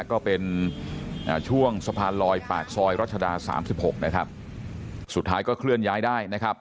ก็เป็นช่วงสะพานลอยปากซอยรัชดาสามสิบหกนะครับสุดท้ายก็เคลื่อนย้ายได้นะครับ